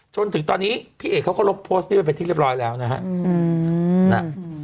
จนถึงตอนนี้พี่เอกเขาก็ลบโพสต์นี้มันเป็นที่เรียบร้อยแล้วนะฮะ